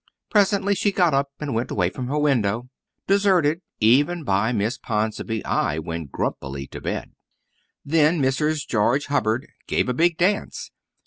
Presently she got up and went away from her window. Deserted even by Miss Ponsonby, I went grumpily to bed. Then Mrs. George Hubbard gave a big dance.